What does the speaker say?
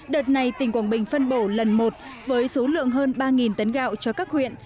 đợt này tỉnh quảng bình phân bổ lần một với số lượng hơn ba tấn gạo cho các huyện